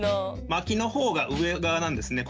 巻きのほうが上側なんですね